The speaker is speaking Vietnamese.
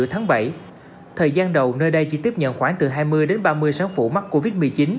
tháng bảy thời gian đầu nơi đây chỉ tiếp nhận khoảng từ hai mươi đến ba mươi sản phụ mắc covid một mươi chín